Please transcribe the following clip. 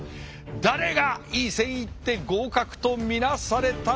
誰がいい線いって合格と見なされたのか。